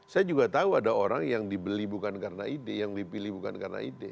saya juga tahu ada orang yang dibeli bukan karena ide yang dipilih bukan karena ide